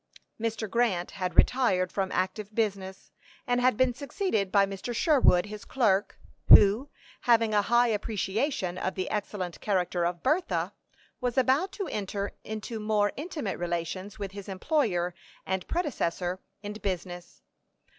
Mr. Grant had retired from active business, and had been succeeded by Mr. Sherwood, his clerk, who, having a high appreciation of the excellent character of Bertha, was about to enter into more intimate relations with his employer and predecessor in business.